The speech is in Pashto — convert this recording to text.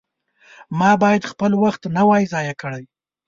ما باید خپل وخت نه وای ضایع کړی.